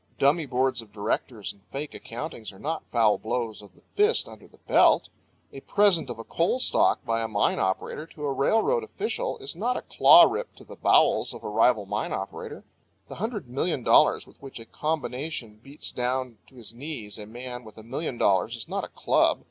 Dummy boards of directors and fake accountings are not foul blows of the fist under the belt. A present of coal stock by a mine operator to a railroad official is not a claw rip to the bowels of a rival mine operator. The hundred million dollars with which a combination beats down to his knees a man with a million dollars is not a club.